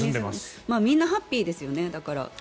みんなハッピーですよねだから。